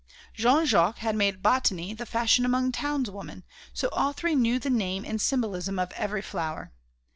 Jean Jacques had made botany the fashion among townswomen, so all three knew the name and symbolism of every flower.